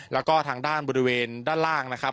แล้วก็ทางด้านบริเวณด้านล่างนะครับ